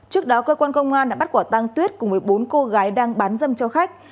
trước đó cơ quan công an đã bắt quả tăng tuyết cùng với bốn cô gái đang bán dâm cho khách